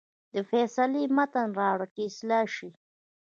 د فیصلې متن راوړه چې اصلاح شي.